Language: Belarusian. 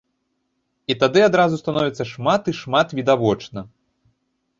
І тады адразу становіцца шмат і шмат відавочна.